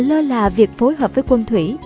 lơ là việc phối hợp với quân thủy